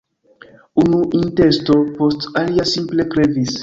Unu intesto post alia simple krevis.